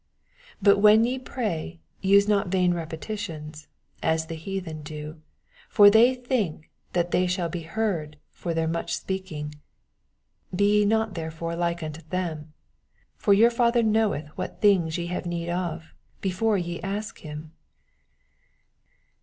7 But when ye pray, use not vun repetitions, as the heathen do : for they think that they shall be heard for their much spea^nff. 8 Be not ye therefore like onto them : for your Father knoweth what things ye have need ofj before y« ask him.